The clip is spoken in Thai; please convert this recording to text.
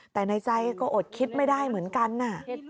แต่ในใจก็อดคิดไม่ได้เหมือนกันนะ